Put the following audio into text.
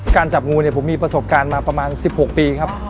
จับงูเนี่ยผมมีประสบการณ์มาประมาณ๑๖ปีครับ